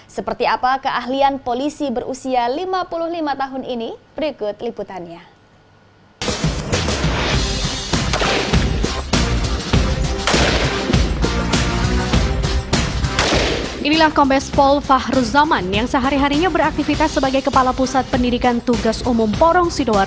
seperti apa keahlian polisi berusia lima puluh lima tahun ini berikut liputannya